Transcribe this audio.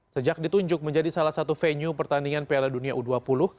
sejak ditunjuk menjadi salah satu venue pertandingan piala dunia u dua puluh